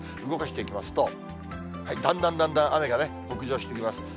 動かしていきますと、だんだんだんだん雨が北上してきます。